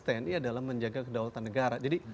tni adalah menjaga kedaulatan negara jadi